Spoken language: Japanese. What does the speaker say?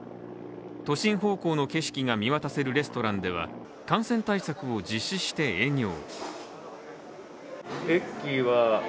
都心方向の景色が見渡せるレストランでは感染対策を実施して営業。